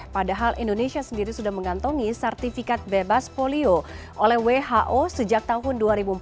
padahal indonesia sendiri sudah mengantongi sertifikat bebas polio oleh who sejak tahun dua ribu empat belas